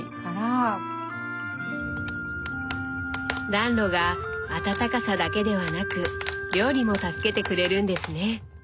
暖炉が暖かさだけではなく料理も助けてくれるんですね。